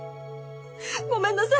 ごめんなさい